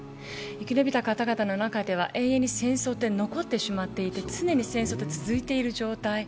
生き延びた方々の中では永遠に戦争って残ってしまっていて、常に戦争って続いている状態。